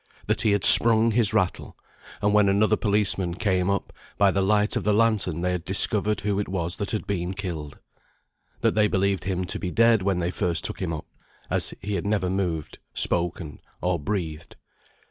That he had sprung his rattle; and when another policeman came up, by the light of the lantern they had discovered who it was that had been killed. That they believed him to be dead when they first took him up, as he had never moved, spoken, or breathed.